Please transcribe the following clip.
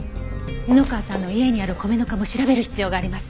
布川さんの家にある米ぬかも調べる必要があります。